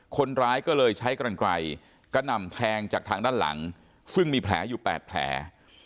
คนร้ายก็เลยใช้กำลังไกลกระหน่ำแทงจากทางด้านหลังซึ่งมีแผลอยู่๘แผล